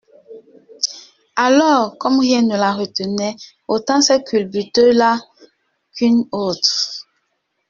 Alors, comme rien ne la retenait, autant cette culbute-là qu'une autre.